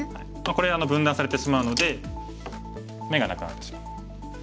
これ分断されてしまうので眼がなくなってしまう。